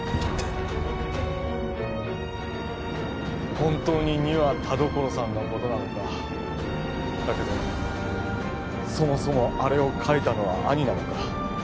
本当に２は田所さんのことなのかだけどそもそもあれを書いたのは兄なのか？